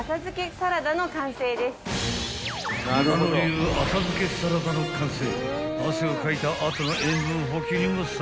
［村野流浅漬けサラダの完成］